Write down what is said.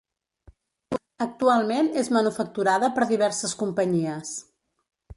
Actualment és manufacturada per diverses companyies.